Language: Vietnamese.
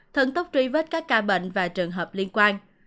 thần tốc truy vết các ca bệnh và trường hợp liên quan